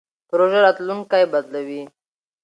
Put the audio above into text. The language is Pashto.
پروژه راتلونکی بدلوي.